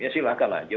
ya silahkan aja